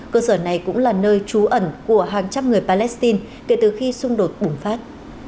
cơ sở này cũng là nơi trú ẩn của hàng trăm người palestine kể từ khi xung đột bùng phát